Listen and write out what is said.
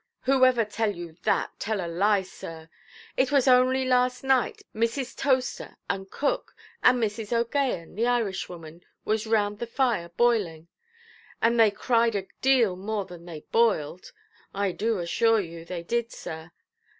Whoever tell you that, tell a lie, sir. It was only last night Mrs. Toaster, and cook, and Mrs. OʼGaghan, the Irishwoman, was round the fire boiling, and they cried a deal more than they boiled, I do assure you they did, sir.